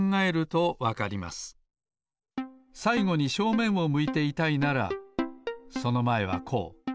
さいごに正面を向いていたいならそのまえはこう。